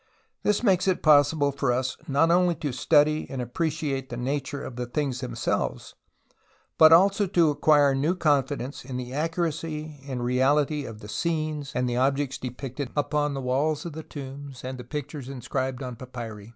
This makes it possible for us not only to study and appreciate the nature of the things tliemselves, but also to acquire new confidence in the accuracy and the INTRODUCTORY 19 reality of the scenes and the objects depicted upon the walls of the tombs and the pictures inscribed on papyri.